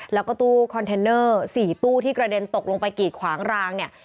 แล้วก็ตู้คอนเทนเนอร์๔ตู้ที่กระเด็นตกลงไปกีดขวางรางเนี่ย